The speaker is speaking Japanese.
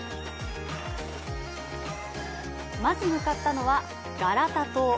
まず向かったのは、ガラタ塔。